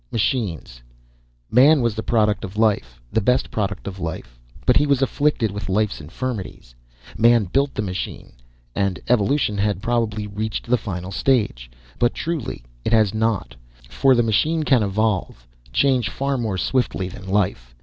Machines man was the product of life, the best product of life, but he was afflicted with life's infirmities. Man built the machine and evolution had probably reached the final stage. But truly, it has not, for the machine can evolve, change far more swiftly than life.